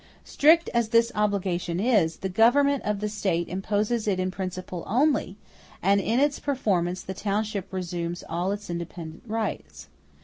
Strict as this obligation is, the government of the State imposes it in principle only, and in its performance the township resumes all its independent rights.